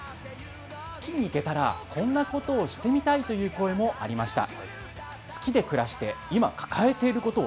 月に行けたらこんなことをしてみたいという声もありました。